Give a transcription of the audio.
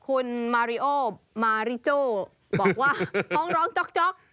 คุณมาริโอมาริโจ้บอกว่าฟ้องร้องจ๊อก